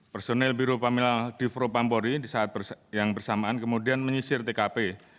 personil biro paminal di propampori di saat yang bersamaan kemudian menyisir tkp